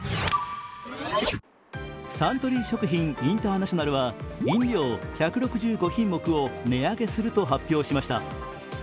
サントリー食品インターナショナルは飲料１６５品目を値上げすると発表しました。